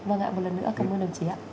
vâng ạ một lần nữa cảm ơn đồng chí ạ